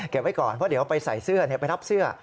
ไว้ก่อนเพราะเดี๋ยวไปใส่เสื้อไปรับเสื้อ